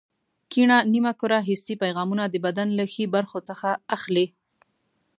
کیڼه نیمه کره حسي پیغامونه د بدن له ښي برخو څخه اخلي.